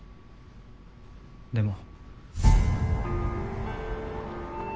でも。